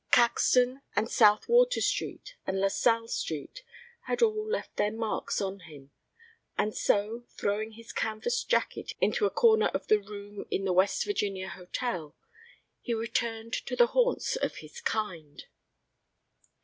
Caxton and South Water Street and LaSalle Street had all left their marks on him, and so, throwing his canvas jacket into a corner of the room in the West Virginia hotel, he returned to the haunts of his kind.